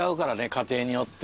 家庭によって。